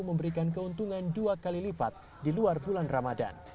memberikan keuntungan dua kali lipat di luar bulan ramadan